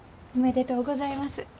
おめでとうございます。